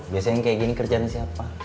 biasanya yang kayak gini kerjaan siapa